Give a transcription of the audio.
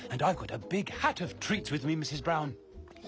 はい。